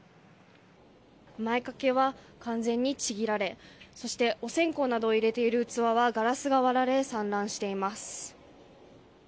前掛けは完全にちぎられそして、お線香などを入れている器はガラスが割られ散乱しています。